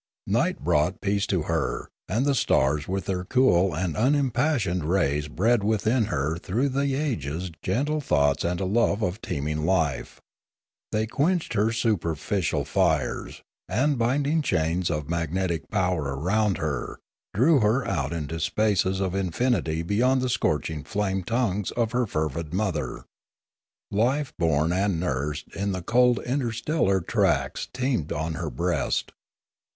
Night brought peace to her, and the stars with their cool and unimpassioned rays bred within her through the ages gentle thoughts and a love of teeming life; they quenched her superficial fires, and, binding chains of magnetic power around her, drew her out into spaces of infinity beyond the scorching flame tongues of her fervid mother. Life born and nursed in the cold interstellar tracts teemed on her breast.